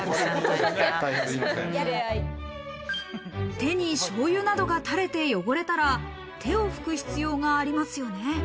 手に醤油などが垂れて汚れたら手を拭く必要がありますよね。